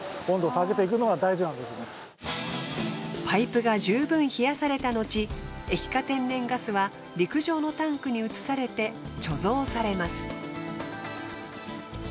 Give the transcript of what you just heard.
パイプが十分冷やされたのち液化天然ガスは陸上のタンクに移されて貯蔵されます。